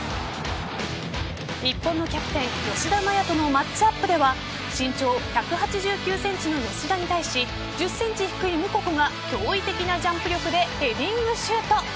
日本のキャプテン吉田麻也とのマッチアップでは身長１８９ｃｍの吉田に対し１０ｃｍ低いムココが驚異的なジャンプ力でヘディングシュート。